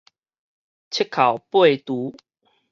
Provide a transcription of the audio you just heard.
七扣八除